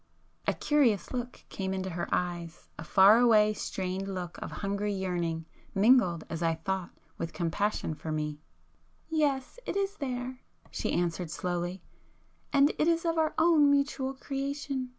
A curious look came into her eyes,—a far away strained look of hungry yearning, mingled, as I thought, with compassion for me. "Yes, it is there!" she answered slowly—"And it is of our own mutual creation.